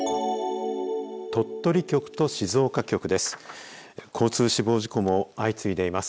鳥取局と静岡局です。